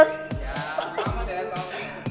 ya sama deh